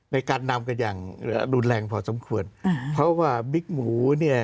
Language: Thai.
ในการนำกันอย่างรุนแรงพอสมควรอ่าเพราะว่าบิ๊กหมูเนี่ย